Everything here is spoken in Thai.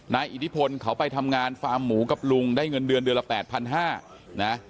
อิทธิพลเขาไปทำงานฟาร์มหมูกับลุงได้เงินเดือนเดือนละ๘๕๐๐นะ